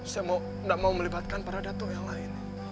saya mau melibatkan para datuk yang lain